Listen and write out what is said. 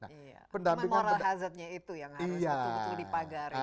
cuma moral hazardnya itu yang harus dipagari